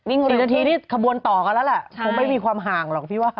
หรือนาทีที่ขบวนต่อกันแล้วแหละคงไม่มีความห่างหรอกพี่ว่า